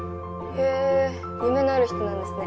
へ夢のある人なんですね。